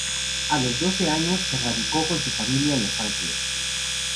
A los doce años, se radicó con su familia en Los Ángeles.